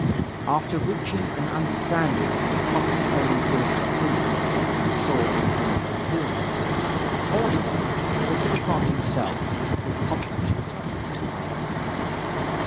After reaching an understanding with the property owning bourgeoisie who saw in him their hero Korniloff took it upon himself to accomplish this hazardous task.